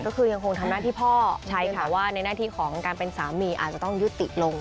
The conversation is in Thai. ก็คือยังคงทำหน้าที่พ่อใช่แต่ว่าในหน้าที่ของการเป็นสามีอาจจะต้องยุติลง